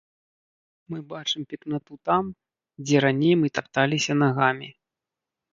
Мы бачым пекнату там, дзе раней мы тапталіся нагамі.